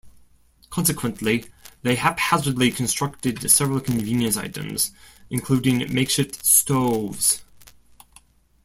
Consequently, they haphazardly constructed several convenience items, including makeshift stoves.